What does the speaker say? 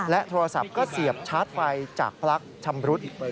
โทรศัพท์ก็เสียบชาร์จไฟจากพลักชำรุด